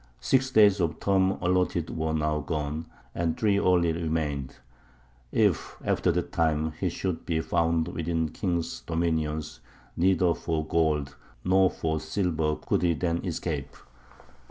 Six days of the term allotted were now gone, and three only remained: if after that time he should be found within the king's dominions, neither for gold nor for silver could he then escape.